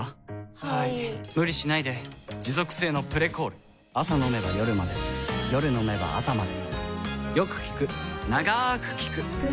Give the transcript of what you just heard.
はい・・・無理しないで持続性の「プレコール」朝飲めば夜まで夜飲めば朝まで